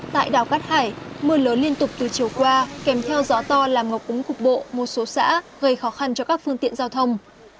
tại đảo cát hải mưa lớn liên tục từ chiều qua kèm theo gió to làm ngập úng cục bộ một số xã gây khó khăn cho các phương tiện giao thông